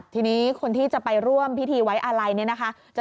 ทีนี้คนที่จะไปร่วมพิธีไว้อะไรเนี่ยนะคะ